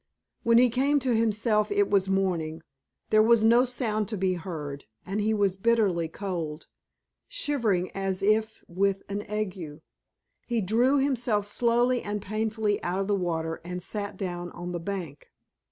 When he came to himself it was morning. There was no sound to be heard, and he was bitterly cold, shivering as if with an ague. He drew himself slowly and painfully out of the water and sat down on the bank.